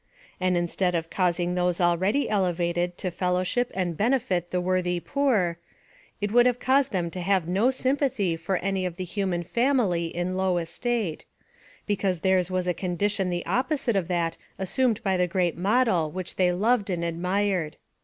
And instead of causing those already elevated to fellowship and benefit the worthy poor, it would have caused them to have no sympathy for any of the human family in low estate ; because theirs was a condition the opposite of that assumed by the great model which they loved and admired.